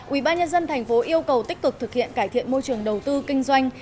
ủy ban nhân dân tp yêu cầu tích cực thực hiện cải thiện môi trường đầu tư kinh doanh